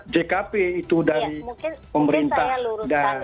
jkp itu dari pemerintah dan